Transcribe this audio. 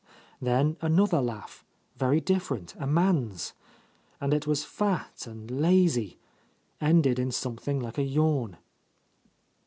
Then another laugh, very different, a man's. And it was fat and lazy, — ended in something like a yawn.